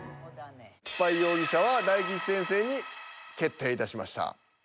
スパイ容疑者は大吉先生に決定いたしました。